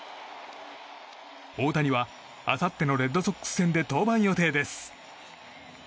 大谷はあさってのレッドソックス戦で登板予定です。